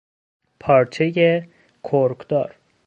پارچهی کرکدار